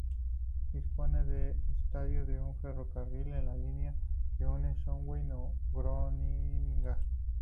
Dispone de estación de ferrocarril en la línea que une Zwolle con Groninga.